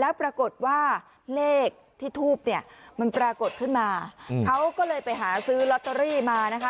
แล้วปรากฏว่าเลขที่ทูบเนี่ยมันปรากฏขึ้นมาเขาก็เลยไปหาซื้อลอตเตอรี่มานะคะ